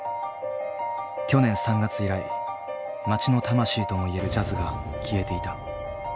去年３月以来街の魂とも言えるジャズが消えていた。